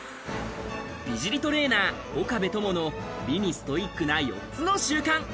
美尻トレーナー・岡部友の日にストイックな４つの習慣。